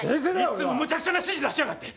いつもむちゃくちゃな指示出しやがって。